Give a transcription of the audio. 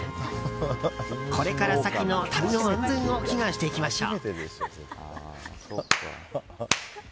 これから先の旅の安全を祈願していきましょう。